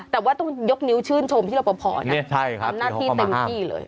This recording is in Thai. แต่ว่าต้องยกนิ้วชื่นชมพี่รอปภทำหน้าที่เต็มที่เลย